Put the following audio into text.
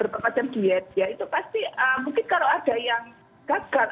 semacam diet ya itu pasti mungkin kalau ada yang gagal